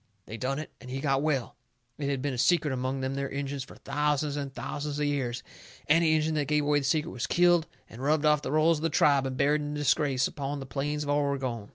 They done it. And he got well. It had been a secret among them there Injuns fur thousands and thousands of years. Any Injun that give away the secret was killed and rubbed off the rolls of the tribe and buried in disgrace upon the plains of Oregon.